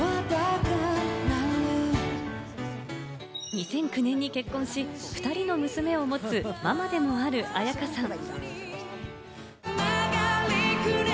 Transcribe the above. ２００９年に結婚し、２人の娘を持つママでもある絢香さん。